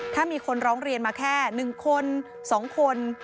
ถ้ามีคนร้องเรียนมาแค่๑คน๒คน